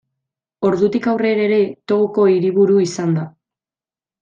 Ordutik aurrera ere, Togoko hiriburu izan da.